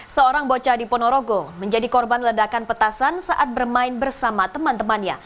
seorang bocah di ponorogo menjadi korban ledakan petasan saat bermain bersama teman temannya